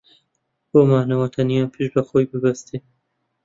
بۆ مانەوەی تەنیا پشت بە خۆی ببەستێ